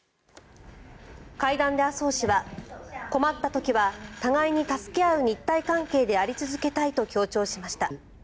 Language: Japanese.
会談で麻生氏は困った時は互いに助け合う日台関係であり続けたいと強調しました。